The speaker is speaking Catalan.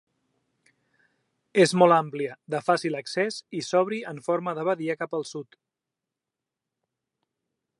És molt àmplia, de fàcil accés i s'obri en forma de badia cap al sud.